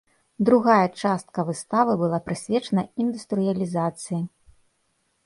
Другая частка выставы была прысвечана індустрыялізацыі.